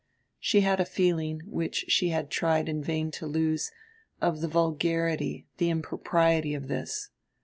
She had a feeling, which she had tried in vain to lose, of the vulgarity, the impropriety of this.